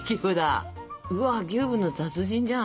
うわギューぶの達人じゃん！